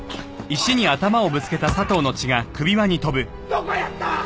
どこやった！？